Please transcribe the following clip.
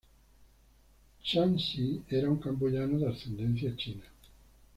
Chan Sy era un camboyano de ascendencia china.